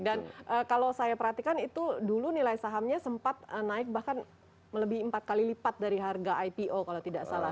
dan kalau saya perhatikan itu dulu nilai sahamnya sempat naik bahkan melebih empat kali lipat dari harga ipo kalau tidak salah